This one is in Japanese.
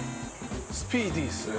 スピーディーですね。